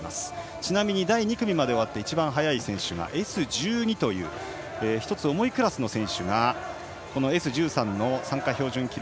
ちなみに第２組まで終わって一番速い選手がＳ１２という１つ重いクラスの選手がＳ１３の参加標準記録